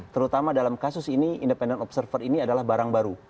terutama dalam kasus ini independent observer ini adalah barang baru